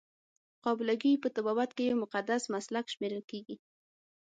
قابله ګي په طبابت کې یو مقدس مسلک شمیرل کیږي.